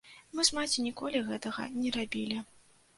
Мы з маці ніколі гэтага не рабілі.